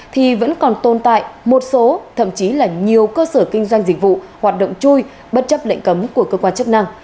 thì vẫn còn tồn tại một số thậm chí là nhiều cơ sở kinh doanh dịch vụ hoạt động chui bất chấp lệnh cấm của cơ quan chức năng